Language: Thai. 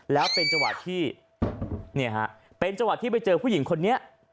แล้วเป็นจัวร์ที่เนี่ยฮะเป็นจัวร์ที่ไปเจอผู้หญิงคนนี้